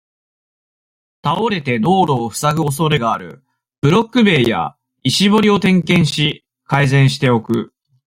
倒れて道路をふさぐ恐れがある、ブロック塀や、石塀を点検し、改善しておく。